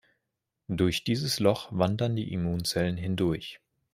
Durch dieses Loch wandern die Immunzellen hindurch.